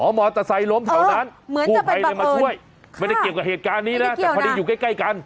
อ๋อหมอตะไสล้ล้มเท่านั้นคู่ไพเลยมาช่วยไม่ได้เกี่ยวกับเหตุการณ์นี้นะแต่พอดีอยู่ใกล้กัน